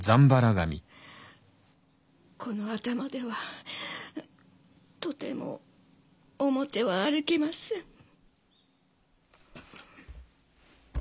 この頭ではとても表は歩けません。